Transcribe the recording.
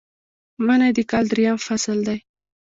منی د کال دریم فصل دی